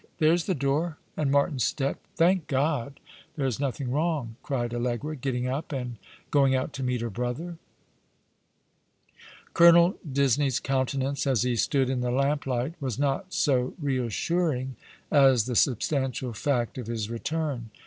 There's the door, and Martin's step. Thank God, there is nothing wrong!" cried Allegra, getting up and £oing out to meet her brother. *^ Say the False Charge was True^ 185 Colonel Disney's countenance as lie stood in the lamplight was not so reassuring as the substantial fact of his return.